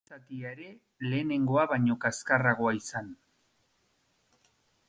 Bigarren zatia ere lehenengoa baino kaskarragoa izan.